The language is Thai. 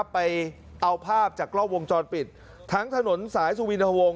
ไปเอาภาพจากกล้องวงจรปิดทั้งถนนสายสุวินทวงศ